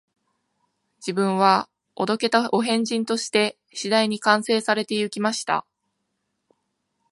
自分はお道化たお変人として、次第に完成されて行きました